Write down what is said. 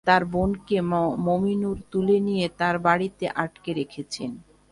পরে জানতে পারেন তাঁর বোনকে মমিনুর তুলে নিয়ে তাঁর বাড়িতে আটকে রেখেছেন।